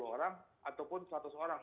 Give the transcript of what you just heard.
lima puluh orang ataupun seratus orang